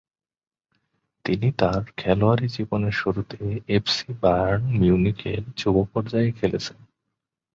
তিনি তার খেলোয়াড়ি জীবনের শুরুতে এফসি বায়ার্ন মিউনিখের যুব পর্যায়ে খেলেছেন।